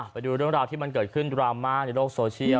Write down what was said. ไปดูเรื่องราวที่มันเกิดขึ้นดราม่าในโลกโซเชียล